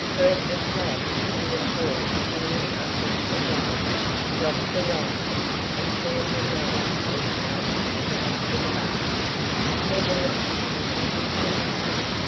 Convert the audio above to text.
For at the flash and report Jimmy uttered a yell, dropped the rifle, and turned and ran as hard as he could for the barn, never once looking behind him.